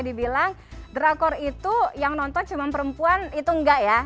dibilang drakor itu yang nonton cuma perempuan itu enggak ya